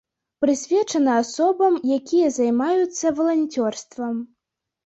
Прысвечаны асобам, якія займаюцца валанцёрствам.